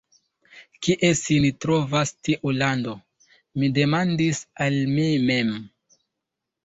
Kie sin trovas tiu lando? mi demandis al mi mem.